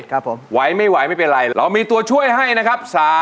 ครับผมไหวไม่ไหวไม่เป็นไรเรามีตัวช่วยให้นะครับ